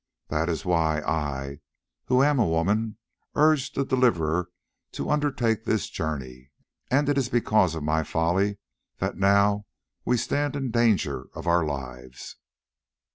That is why I, who am a woman, urged the Deliverer to undertake this journey, and it is because of my folly that now we stand in danger of our lives."